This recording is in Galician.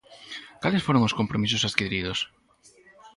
¿Cales foron os compromisos adquiridos?